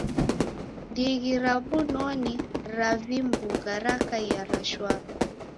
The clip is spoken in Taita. Ndighi ra w'unoni ra vimbunga rakaia ra shwaa